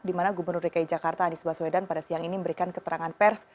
di mana gubernur dki jakarta anies baswedan pada siang ini memberikan keterangan pers